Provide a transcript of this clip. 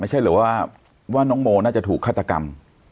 ไม่ใช่หรือว่าน้องโมน่าจะถูกฆาตกรรม